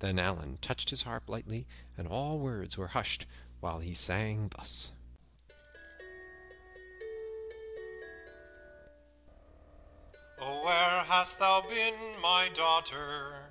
Then Allan touched his harp lightly, and all words were hushed while he sang thus: "'_Oh, where has thou been, my daughter?